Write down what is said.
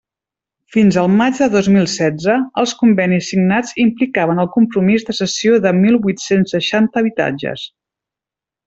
Fins al maig del dos mil setze, els convenis signats implicaven el compromís de cessió de mil vuit-cents seixanta habitatges.